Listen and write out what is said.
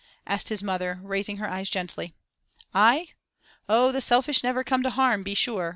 asked his mother, raising her eyes gently. 'I? Oh, the selfish never come to harm, be sure!